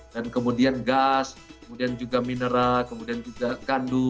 dan kemudian gas kemudian juga mineral kemudian juga kandu